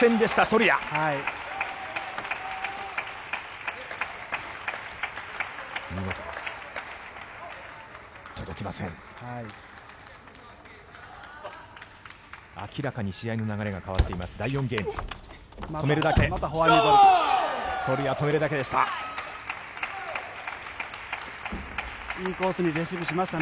ソルヤは止めるだけでした。